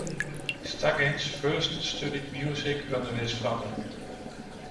Staggins first studied music under his father.